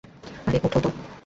আরে, ওঠো তো!